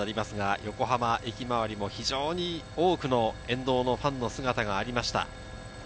横浜駅周りも非常に多くの沿道のファンの姿がありました。